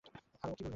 আরে ও কী বলবে।